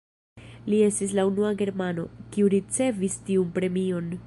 Li estis la unua germano, kiu ricevis tiun premion.